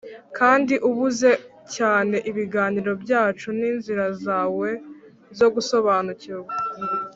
kandi ubuze cyane ibiganiro byacu n'inzira zawe zo gusobanukirwa,